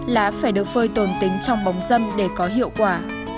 lá phải được phơi tồn tính trong bóng dâm để có hiệu quả